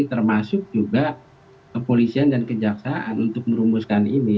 termasuk juga kepolisian dan kejaksaan untuk merumuskan ini